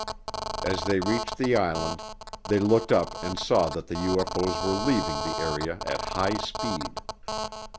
As they reached the island they looked up and saw that the UFO's were leaving the area at high speed.